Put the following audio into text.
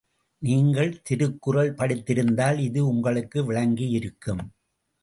நீங்கள் திருக்குறள் படித்திருந்தால் இது உங்களுக்கு விளங்கியிருக்கும்.